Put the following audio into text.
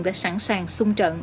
đã sẵn sàng sung trận